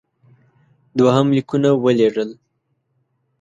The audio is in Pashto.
دوهم لیکونه ولېږل.